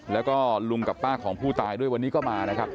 แล้วก็ลุงกับป้าของผู้ตายด้วยวันนี้ก็มานะครับ